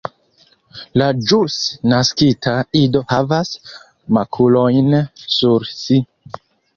La ĵus naskita ido havas makulojn sur si.